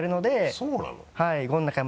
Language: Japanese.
そうなの？